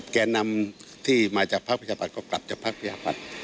แกนนำที่มาจากพรรคพยาบาทก็กลับจากพรรคพยาบาท